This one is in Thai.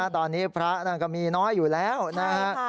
ตอนนี้พระก็มีน้อยอยู่แล้วนะฮะ